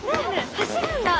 走るんだ！